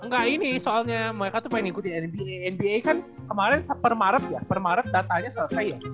enggak ini soalnya mereka tuh pengen ikutin nba nba kan kemarin per maret ya per maret datanya selesai ya